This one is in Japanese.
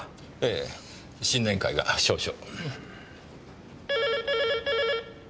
ええ新年会が少々。